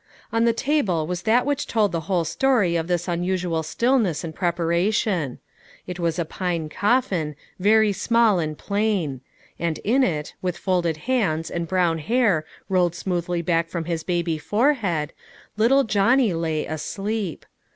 On the table was that which told the whole story of this unusual stillness and preparation. It was a pine coffin, very small and plain; and in it, with folded hands and brown hair rolled smoothly back from his baby forehead, little Johnny lay, asleep.